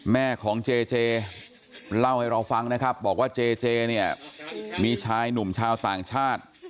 แม่ของเจเจเล่าให้เราฟังนะครับบอกว่าเจเจเนี่ยมีชายหนุ่มชาวต่างชาติ